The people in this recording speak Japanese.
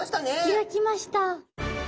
開きました。